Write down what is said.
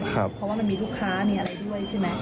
เพราะว่ามันมีลูกค้ามีอะไรด้วยใช่ไหม